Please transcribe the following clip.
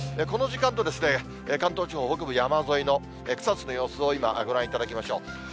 この時間の関東地方北部山沿いの草津の様子を今、ご覧いただきましょう。